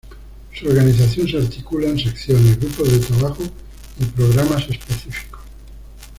Su organización se articula en secciones, grupos de trabajo y programas específicos.